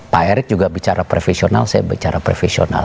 pak erick juga bicara profesional saya bicara profesional